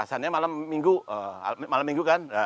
seandainya malam minggu